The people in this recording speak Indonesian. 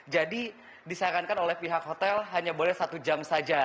jadi disarankan oleh pihak hotel hanya boleh satu jam saja